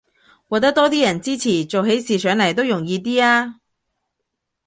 獲得多啲人支持，做起事上來都容易啲吖